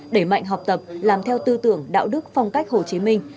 đẩy mạnh học tập làm theo tư tưởng đạo đức phong cách hồ chí minh